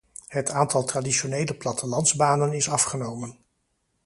Het aantal traditionele plattelandsbanen is afgenomen.